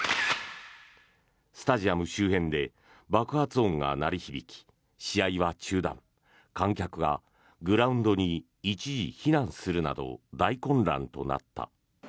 スタジアム周辺で爆発音が鳴り響き試合は中断観客がグラウンドに一時避難するなど大混乱となった。